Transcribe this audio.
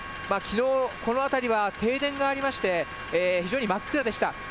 きのう、この辺りは停電がありまして、非常に真っ暗でした。